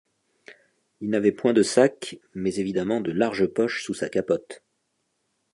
Il n’avait point de sac, mais évidemment de larges poches sous sa capote.